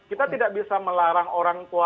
kita tidak bisa melarang orang tua